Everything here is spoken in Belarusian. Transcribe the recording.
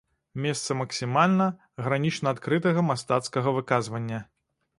Месца максімальна, гранічна адкрытага мастацкага выказвання.